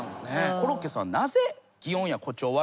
コロッケさん。